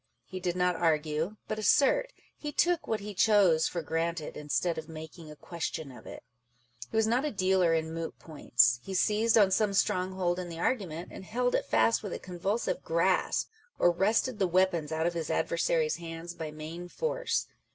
He did not argue, but assert ; he took what he chose for granted, instead of making a question of it. He was not a dealer in moot^points. He seized on some stronghold in the argument, and held it fast with a convulsive grasp â€" or wrested the weapons out of his adversaries' hands by main force.